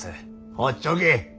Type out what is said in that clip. ほっちょけ。